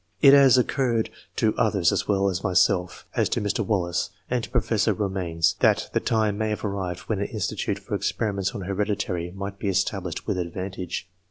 It has occurred to others as well as myself, as to Mr. Wallace and to Professor Romanes, that the time may have arrived when an institute for experiments on here dity might be established with advantage.